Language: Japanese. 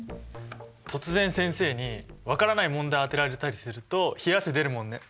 突然先生に分からない問題当てられたりすると冷や汗出るもんね。